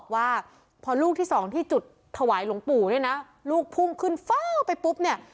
ว่าพอลูกที่สองที่จุดถวายหลวงปู่เนี่ยนะลูกพุ่งขึ้นฟ้าไปปุ๊บเนี่ย